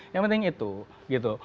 yang penting itu